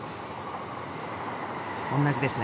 同じですね。